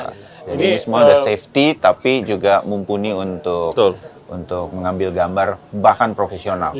semua sudah safety tapi juga mumpuni untuk mengambil gambar bahkan profesional